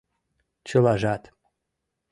— Чылажат...